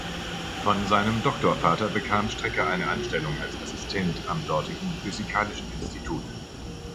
Von seinem Doktorvater bekam Strecker eine Anstellung als Assistent am dortigen "Physikalischen Institut".